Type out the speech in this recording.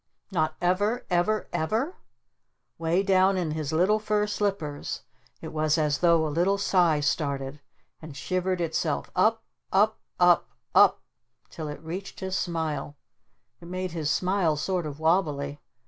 "Not ever? Ever? Ever?" Way down in his little fur slippers it was as though a little sigh started and shivered itself up up up up till it reached his smile. It made his smile sort of wobbly.